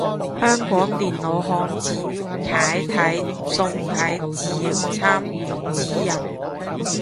香港電腦漢字楷體宋體字形參考指引